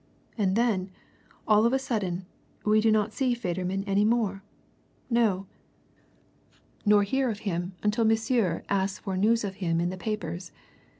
And then, all of a sudden, we do not see Federman any more no. Nor hear of him until monsieur asks for news of him in the papers.